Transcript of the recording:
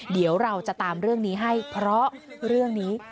เดี๋ยวเราจะตามเรื่องนี้ให้เพราะเรื่องนี้